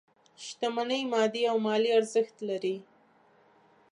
شتمني مادي او مالي ارزښت لري.